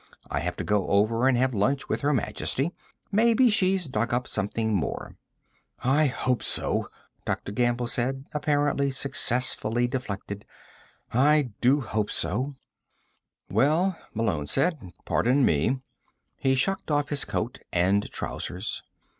I have to go over and have lunch with Her Majesty. Maybe she's dug up something more." "I hope so," Dr. Gamble said, apparently successfully deflected. "I do hope so." [Illustration: "One more crack out of you...."] "Well," Malone said, "pardon me." He shucked off his coat and trousers.